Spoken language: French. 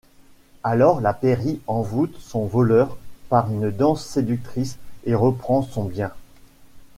Alors la Péri envoûte son voleur par une danse séductrice et reprend son bien.